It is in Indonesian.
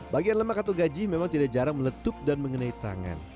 bagian lemak atau gaji memang tidak jarang meletup dan mengenai tangan